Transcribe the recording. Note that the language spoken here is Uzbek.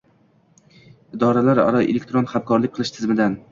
idoralararo elektron hamkorlik qilish tizimidan;